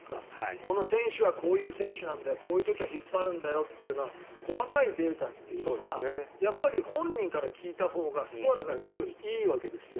この選手はこういう選手なんだよこういう時は引っ張るんだよという細かいデータというのがやっぱり本人から聞いたほうがスコアラーから聞くよりいいわけです。